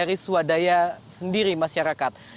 kita bisa melakukan iuran sendiri masyarakat